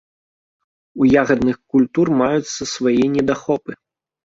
У ягадных культур маюцца свае недахопы.